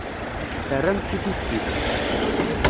Terram-tt i tissit.